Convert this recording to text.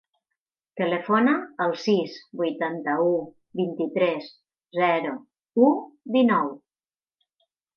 Telefona al sis, vuitanta-u, vint-i-tres, zero, u, dinou.